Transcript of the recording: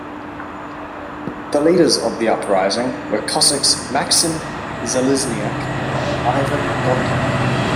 The leaders of the uprising were Cossacks Maksym Zalizniak and Ivan Gonta.